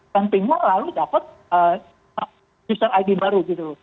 dan pinggul lalu dapat user id baru gitu